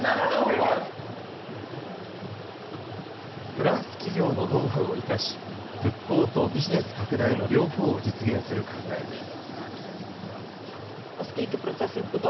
フランス企業のノウハウを生かし、復興とビジネス拡大の両方を実現する考えです。